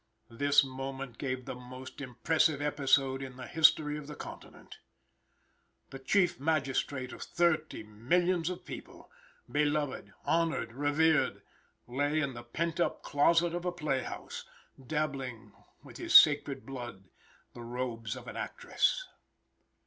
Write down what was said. This moment gave the most impressive episode in the history of the Continent. The Chief Magistrate of thirty, millions of people beloved, honored, revered, lay in the pent up closet of a play house, dabbling with his sacred blood the robes of an actress.